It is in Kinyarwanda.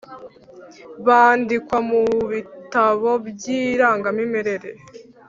bandikwa mu ibitabo by irangamimerere